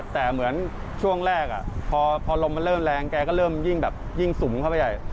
แต่เหมือนช่วงแรกพอลมมันเริ่มแรงแกก็เริ่มยิ่งแบบยิ่งสุ่มเข้าไปใหญ่